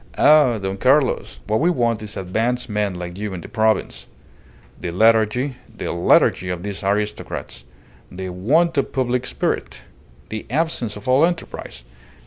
"Ah, Don Carlos! What we want is advanced men like you in the province. The lethargy the lethargy of these aristocrats! The want of public spirit! The absence of all enterprise!